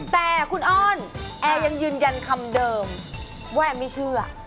แต่คุณอ้อนแอร์ยังยืนยันคำเดิมว่าแอร์ไม่เชื่อ